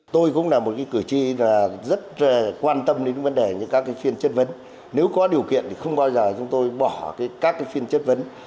tôi cũng là một cử tri rất quan tâm đến vấn đề như các phiên chất vấn nếu có điều kiện thì không bao giờ chúng tôi bỏ các phiên chất vấn